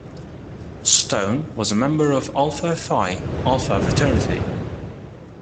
Stone was a member of Alpha Phi Alpha fraternity.